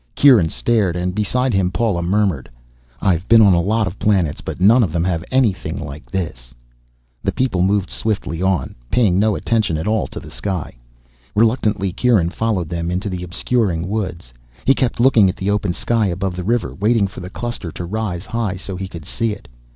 Kieran stared, and beside him Paula murmured, "I've been on a lot of planets, but none of them have anything like this." The people moved swiftly on, paying no attention at all to the sky. Reluctantly Kieran followed them into the obscuring woods. He kept looking at the open sky above the river, waiting for the cluster to rise high so he could see it.